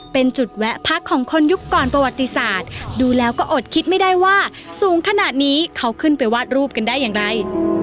เป็นจุดแวะพักของคนยุคก่อนประวัติศาสตร์ดูแล้วก็อดคิดไม่ได้ว่าสูงขนาดนี้เขาขึ้นไปวาดรูปกันได้อย่างไร